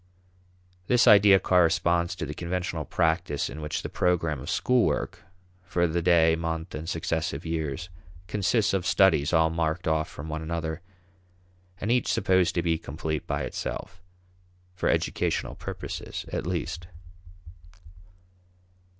This idea corresponds to the conventional practice in which the program of school work, for the day, month, and successive years, consists of "studies" all marked off from one another, and each supposed to be complete by itself for educational purposes at least.